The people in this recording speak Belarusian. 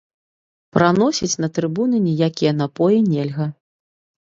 Праносіць на трыбуны ніякія напоі нельга.